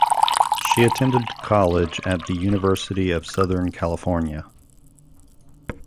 She attended college at the University of Southern California.